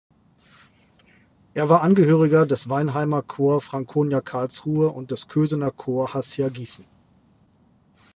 Er war Angehöriger des Weinheimer Corps Franconia Karlsruhe und des Kösener Corps Hassia Gießen.